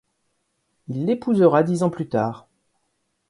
Il l'épousera dix ans plus tard.